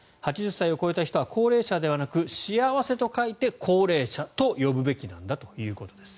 ８０歳を超えた人は高齢者ではなく幸せと書いて幸齢者と呼ぶべきなんだということです。